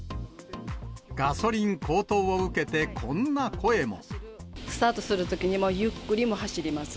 ガソリン高騰を受けてこんな声も。スタートするときにもうゆっくり走ります。